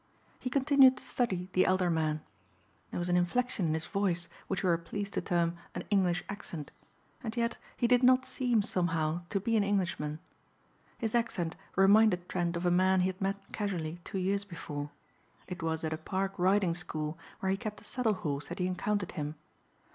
He continued to study the elder man. There was an inflection in his voice which we are pleased to term an "English accent." And yet he did not seem, somehow, to be an Englishman. His accent reminded Trent of a man he had met casually two years before. It was at a Park riding school where he kept a saddle horse that he encountered him.